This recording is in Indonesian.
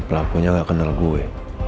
pelakunya gak kenal gue